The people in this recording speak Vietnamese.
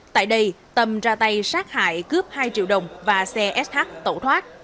tại đây tâm ra tay sát hại cướp hai triệu đồng và xe sh tẩu thoát